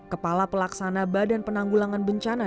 kepala pelaksana badan penanggulangan bencana